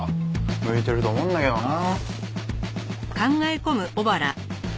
向いてると思うんだけどな。